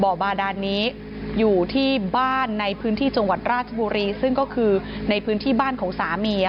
บาดานนี้อยู่ที่บ้านในพื้นที่จังหวัดราชบุรีซึ่งก็คือในพื้นที่บ้านของสามี